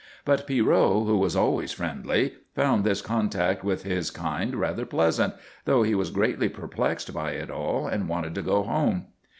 But Pierrot, who was always friendly, found this contact with his kind rather pleasant, though he was greatly perplexed by it all and wanted to go home.